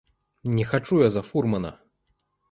Не хачу я за фурмана!